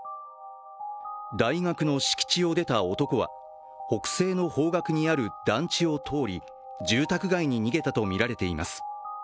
大学の敷地を出た男は北西の方角にある団地を通り住宅街に逃げたとみられています。